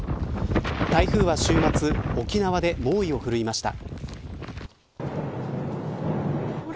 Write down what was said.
台風は週末沖縄で猛威を振るいました。